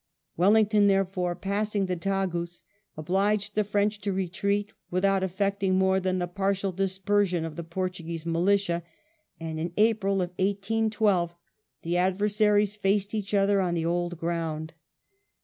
"Wellington, therefore, passing the Tagus, obliged the French to retreat without effecting more than the partial dispersion of the Portuguese militia, and in April, 1812, the adver saries faced each other on the old ground.